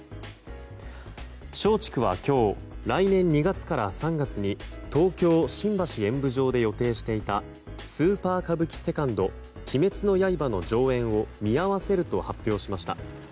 松竹は今日来年２月から３月に東京・新橋演舞場で予定していた「スーパー歌舞伎セカンド鬼滅の刃」の上演を見合わせると発表しました。